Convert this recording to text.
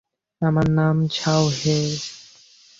আমার নাম শাও হেই।